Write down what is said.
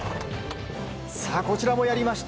こちらもやりました。